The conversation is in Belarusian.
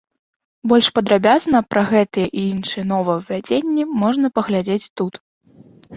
Больш падрабязна пра гэтыя і іншыя новаўвядзенні можна паглядзець тут.